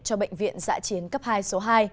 cho bệnh viện dã chiến cấp hai số hai